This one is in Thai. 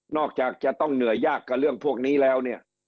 จากจะต้องเหนื่อยยากกับเรื่องพวกนี้แล้วเนี่ย